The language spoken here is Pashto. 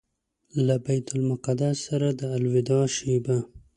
له بیت المقدس سره د الوداع شېبه.